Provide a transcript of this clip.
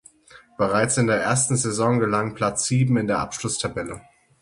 Bereits in der ersten Saison gelang Platz sieben in der Abschlusstabelle.